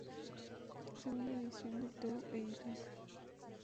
Según la edición de Toutain Editor.